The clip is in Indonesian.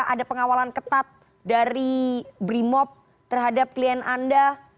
apakah ada pengawalan ketat dari brimop terhadap klien anda